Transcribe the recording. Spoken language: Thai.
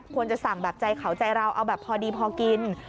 จะสั่งแบบใจเขาใจเราเอาแบบพอดีพอกิน